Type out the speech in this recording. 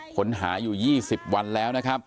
ค้นหาอยู่๒๐วันแล้ว